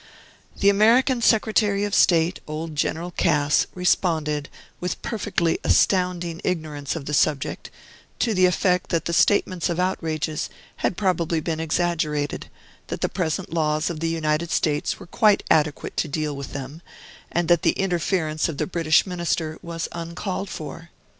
The American Secretary of State, old General Cass, responded, with perfectly astounding ignorance of the subject, to the effect that the statements of outrages had probably been exaggerated, that the present laws of the United States were quite adequate to deal with them, and that the interference of the British Minister was uncalled for.